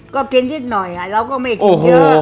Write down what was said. ก็กินนิดหน่อยเราก็ไม่กินเยอะ